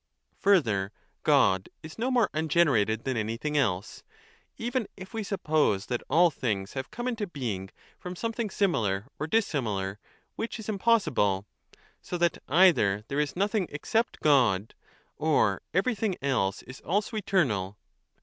Further, God is no more ungenerated than anything else, even if we suppose 25 that all things have come into being from something similar or dissimilar, which is impossible; so that either there is nothing except God or everything else is also eternal.